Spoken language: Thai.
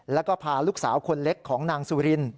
แล้วก็พาลูกสาวคนเล็กของนางสุริน